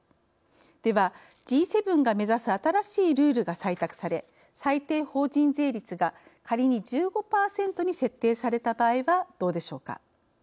ではＧ７が目指す新しいルールが採択され最低法人税率が仮に１５％に設定された場合はどうでしょうか。